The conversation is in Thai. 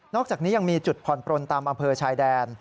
อกจากนี้ยังมีจุดผ่อนปลนตามอำเภอชายแดน